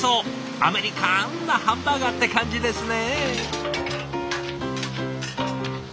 アメリカンなハンバーガーって感じですね。